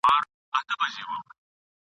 هر ربات مو ګل غونډۍ کې هره دښته لاله زار کې ..